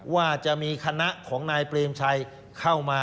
ว่าจะมีคณะของนายเปรมชัยเข้ามา